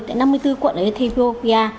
tại năm mươi bốn quận ở ethiopia